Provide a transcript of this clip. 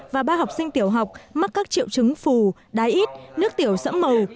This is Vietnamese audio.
và ba học sinh tiểu học mắc các triệu chứng phù đái ít nước tiểu sẫm màu